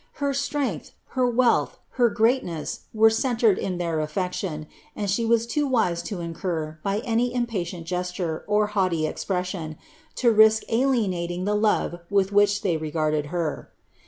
Her strength, her wealth, her greatness, were centred in their affection ; and she was too wise to incur, by any impatient gesture, or haughty expression, the risk of alien ating the love with which they regarded her.